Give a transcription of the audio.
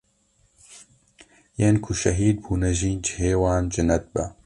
yên ku şehîd bûne jî cihê wan cinet be.